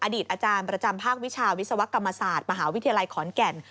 อดีตอาจารย์ประจำภาควิชาวิศวกรรมศาสตร์มหาวิทยาลัยขอนแก่น